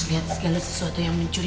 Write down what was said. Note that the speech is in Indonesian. lihat segala sesuatu yang mencuri